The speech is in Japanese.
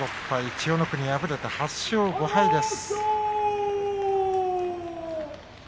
千代の国は負けて８勝５敗です。